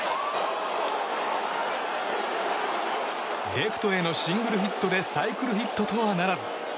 レフトへのシングルヒットでサイクルヒットとはならず。